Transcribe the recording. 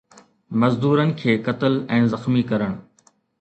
مزدورن کي قتل ۽ زخمي ڪرڻ